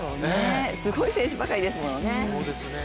すごい選手ばかりですものね。